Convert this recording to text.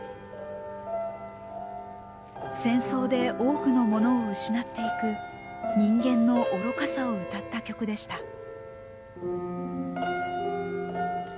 戦争で多くのものを失っていく人間の愚かさを歌った曲でした。